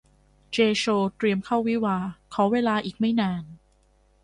เจย์ โชว์ เตรียมเข้าวิวาห์ ขอเวลาอีกไม่นาน